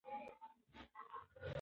که موږ خبر شو نو تاسي ته به ووایو.